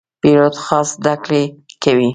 پیلوټ خاص زده کړې کوي.